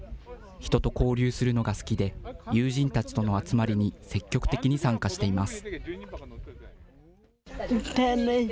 人と交流するのが好きで、友人たちとの集まりに積極的に参加しています。